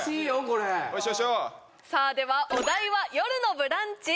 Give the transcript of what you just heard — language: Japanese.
これさあではお題は「よるのブランチ」